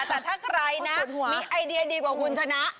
แต่ถ้าใครนะมีไอเดียดีกว่าคุณชนะ